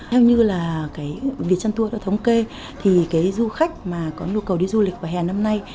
theo như là cái việc chăn tour đã thống kê thì cái du khách mà có nhu cầu đi du lịch vào hè năm nay